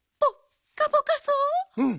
うん。